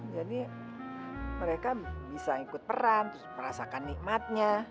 jadi mereka bisa ikut peran merasakan nikmatnya